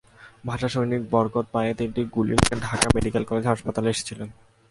ভাষাসৈনিক বরকত পায়ে তিনটি গুলি নিয়ে ঢাকা মেডিকেল কলেজ হাসপাতালে এসেছিলেন।